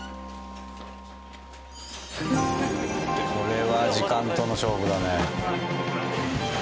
これは時間との勝負だね。